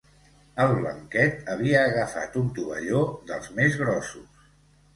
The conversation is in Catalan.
El Blanquet havia agafat un tovalló dels més grossos.